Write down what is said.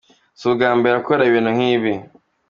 Si ubwa mbere akora ibintu nk’ibi